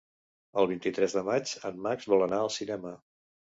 El vint-i-tres de maig en Max vol anar al cinema.